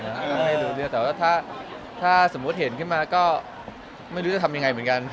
แต่ว่าถ้าสมมุติเห็นขึ้นมาก็ไม่รู้จะทำยังไงเหมือนกัน